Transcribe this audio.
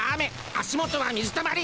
足元は水たまり。